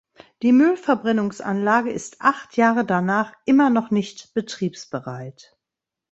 Die Müllverbrennungsanlage ist acht Jahre danach immer noch nicht betriebsbereit.